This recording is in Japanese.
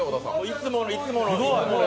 いつもの、いつもの。